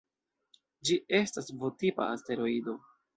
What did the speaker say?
Ĝi estas V-tipa asteroido.